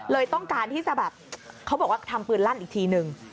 ต้องการที่จะแบบเขาบอกว่าทำปืนลั่นอีกทีนึง